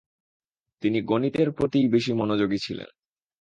তিনি গণিতের প্রতিই বেশি মনোযোগী ছিলেন।